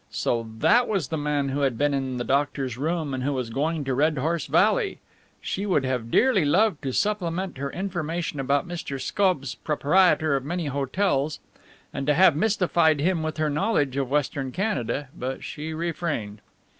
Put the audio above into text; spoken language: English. So that was the man who had been in the doctor's room and who was going to Red Horse Valley! She would have dearly loved to supplement her information about Mr. Scobbs, proprietor of many hotels, and to have mystified him with her knowledge of Western Canada, but she refrained.